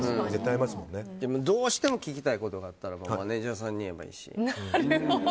どうしても聞きたいことがあったらマネジャーさんに聞けばいいし。